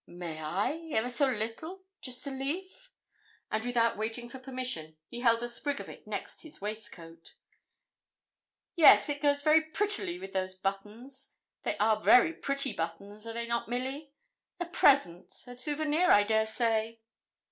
'May I ever so little just a leaf?' And without waiting for permission, he held a sprig of it next his waistcoat. 'Yes, it goes very prettily with those buttons. They are very pretty buttons; are not they, Milly? A present, a souvenir, I dare say?'